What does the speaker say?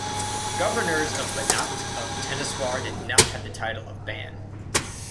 Governors of Banat of Temeswar did not have the title of "ban".